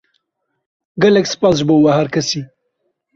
Gelek spas ji bo we her kesî.